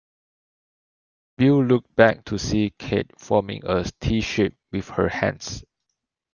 Bill looked back to see Kate forming a T-shape with her hands.